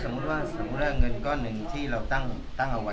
ว่าสมมุติว่าเงินก้อนหนึ่งที่เราตั้งเอาไว้